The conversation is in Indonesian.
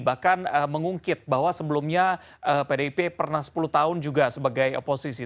bahkan mengungkit bahwa sebelumnya pdip pernah sepuluh tahun juga sebagai oposisi